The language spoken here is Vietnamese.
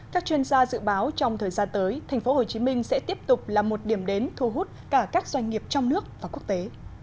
các chuyên gia dự báo trong thời gian tới tp hcm sẽ tiếp tục là một điểm đến thu hút cả các doanh nghiệp trong nước và quốc tế